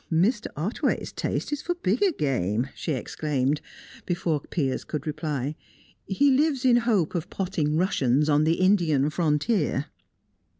"Mr. Otway's taste is for bigger game," she exclaimed, before Piers could reply. "He lives in hope of potting Russians on the Indian frontier."